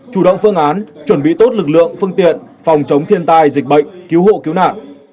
chủ động phương án chuẩn bị tốt lực lượng phương tiện phòng chống thiên tai dịch bệnh cứu hộ cứu nạn